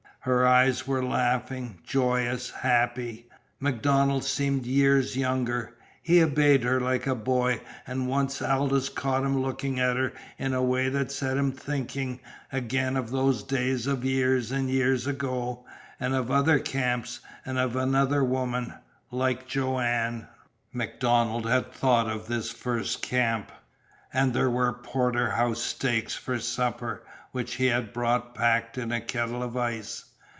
Her eyes were laughing, joyous, happy. MacDonald seemed years younger. He obeyed her like a boy, and once Aldous caught him looking at her in a way that set him thinking again of those days of years and years ago, and of other camps, and of another woman like Joanne. MacDonald had thought of this first camp and there were porterhouse steaks for supper, which he had brought packed in a kettle of ice.